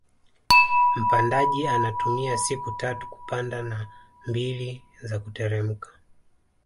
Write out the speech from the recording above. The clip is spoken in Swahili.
Mpandaji anatumia siku tatu kupanda na mbili za kuteremka